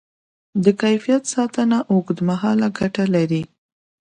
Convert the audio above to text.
د کیفیت ساتنه اوږدمهاله ګټه لري.